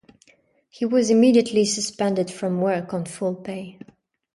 He was immediately suspended from work on full pay.